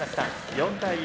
４対１。